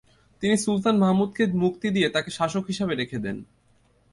তিনি সুলতান মাহমুদকে মুক্তি দিয়ে তাঁকে শাসক হিসেবে রেখে দেন।